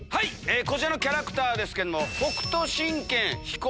こちらのキャラクターですけど。